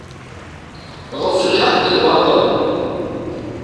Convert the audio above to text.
Ɣef lḥeq d lbaṭṭel.